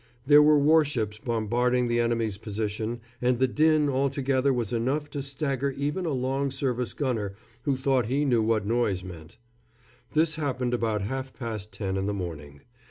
There were warships bombarding the enemy's position, and the din altogether was enough to stagger even a long service gunner who thought he knew what noise meant. This happened about half past ten in the morning.